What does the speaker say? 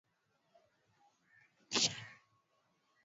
wamelalamika kwa muda mrefu kwamba wanadhulumiwa kama raia wa daraja la pili